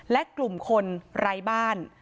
และกลุ่มคนไร้บ้าน